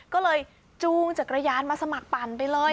ก็เลยจูงจักรยานมาสมัครปั่นไปเลย